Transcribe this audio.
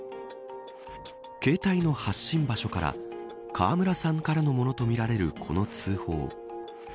携帯の発信場所から川村さんからのものとみられるこの通報。